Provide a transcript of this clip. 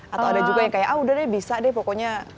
atau ada juga yang kayak ah udah deh bisa deh pokoknya